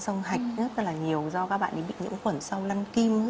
xong hạch rất là nhiều do các bạn bị nhiễm khuẩn sau lăn kim